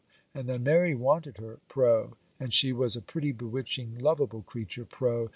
And then Mary wanted her, pro. And she was a pretty, bewitching, loveable creature, pro.